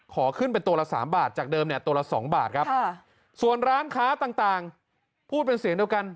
ขอขึ้นเป็นตัวละ๓บาทจากเดิมเนี่ยตัวละ๒บาทครับส่วนร้านค้าต่างพูดเป็นเสียงเดียวกัน